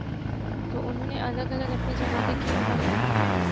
تو انہوں نے الگ الگ اپنی جماعتیں کیوں بنائی ہیں؟